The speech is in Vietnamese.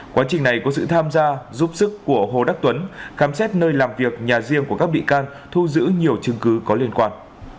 quá trình này có sự tham gia giúp sức của hồ đắc tuấn khám xét nơi làm việc nhà riêng của các bị can thu giữ nhiều chứng cứ có liên quan